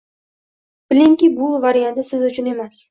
bilingki, “buvi” varianti siz uchun emas.